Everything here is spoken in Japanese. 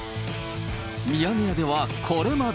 ミヤネ屋ではこれまで。